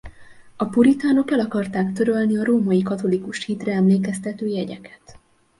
A puritánok el akarták törölni a római katolikus hitre emlékeztető jegyeket.